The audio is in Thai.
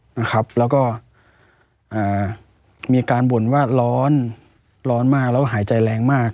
แล้วก็มีการบ่นว่าร้อนร้อนมากแล้วหายใจแรงมาก